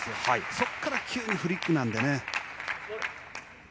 そこから急にフリックなのでね。